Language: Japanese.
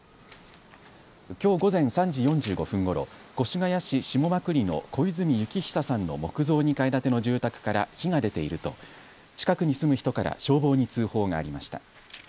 きょう午前３時４５分ごろ、越谷市下間久里の小泉征久さんの木造２階建ての住宅から火が出ていると近くに住む人から消防に通報がありました。